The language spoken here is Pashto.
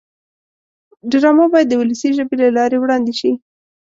ډرامه باید د ولسي ژبې له لارې وړاندې شي